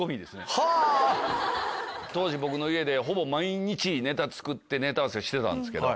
当時僕の家で毎日ネタ作ってネタ合わせしてたんですけど。